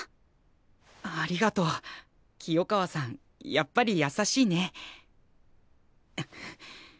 やっぱりやさしいね。